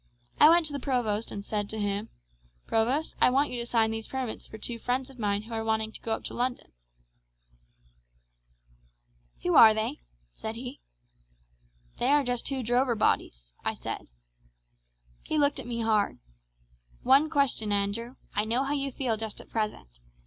I went to the provost and said to him, 'Provost, I want you to sign these permits for two friends of mine who are wanting to go up to London.' "'Who are they?' said he. "'They are just two drover bodies,' I said. He looked at me hard. "'One question, Andrew. I know how you feel just at present.